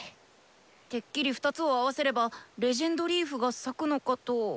てっきり２つを合わせれば「伝説のリーフ」が咲くのかと。